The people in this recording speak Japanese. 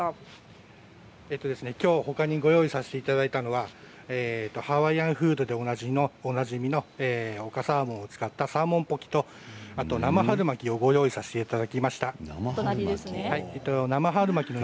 ほかに用意させていただいたのはハワイアンフードでおなじみの丘サーモンを使ったサーモンポキ、生春巻きをご用意させていただきました。